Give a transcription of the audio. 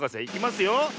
いきますよ。